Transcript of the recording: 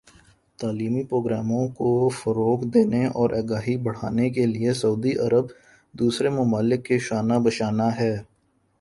تعلیمی پروگراموں کو فروغ دینے اور آگاہی بڑھانے کے لئے سعودی عرب دوسرے ممالک کے شانہ بشانہ ہے